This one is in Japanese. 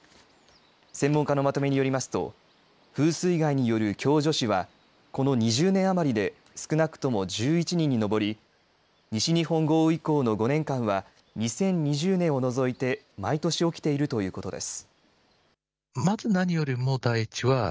専門家のまとめによりますと風水害による共助死はこの２０年余りで少なくとも１１人に上り西日本豪雨以降の５年間は２０２０年を除いて毎年起きているということです。